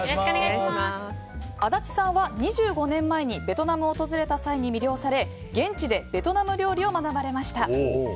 足立さんは２５年前にベトナムを訪れた際に魅了され、現地でベトナム料理を学ばれました。